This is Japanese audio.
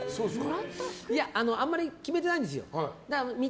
あんまり決めてないんですよ。